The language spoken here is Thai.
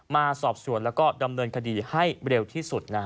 มาสอบสวนแล้วก็ดำเนินคดีให้เร็วที่สุด